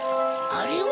あれは？